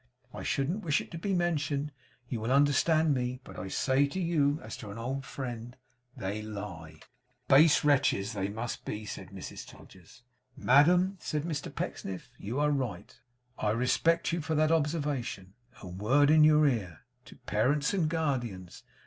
I shouldn't wish it to be mentioned; you will understand me; but I say to you as to an old friend, they lie.' 'Base wretches they must be!' said Mrs Todgers. 'Madam,' said Mr Pecksniff, 'you are right. I respect you for that observation. A word in your ear. To Parents and Guardians.